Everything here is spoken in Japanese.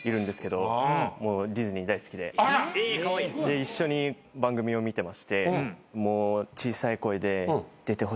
一緒に番組を見てましてもう小さい声で。